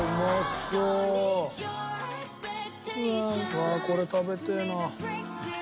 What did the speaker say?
うわーこれ食べてえな。